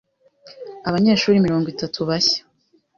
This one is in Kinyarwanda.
abanyeshuri mirongo itatu bashya